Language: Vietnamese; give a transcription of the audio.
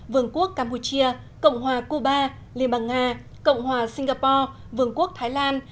vương quốc campuchia cộng hòa cuba liên bang nga cộng hòa singapore vương quốc thái lan